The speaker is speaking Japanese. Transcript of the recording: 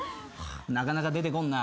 なかなか出てこんな。